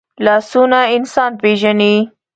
لاسونه انسان پېژني